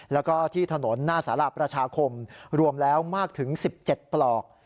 แล้วก็ที่ถนนหน้าสาราประชาคมรวมแล้วมากถึง๑๗ปลอก